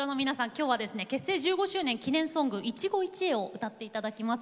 今日は結成１５周年記念ソング「いちごいちえ」を歌って頂きます。